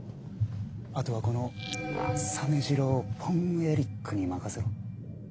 あとはこの実次郎・フォン・エリックに任せろ。